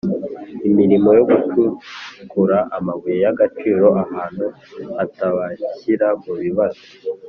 imirimo yo gucukura amabuye y’ agaciro ahantu hatabashyira mu bibazo